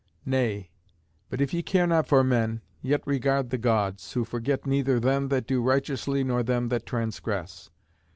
Nay, but if ye care not for men, yet regard the Gods, who forget neither them that do righteously nor them that transgress.